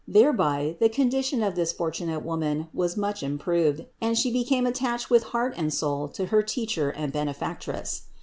Thereby the condition of this fortunate woman was much im proved and she became attached with heart and soul to her Teacher and Benefactress.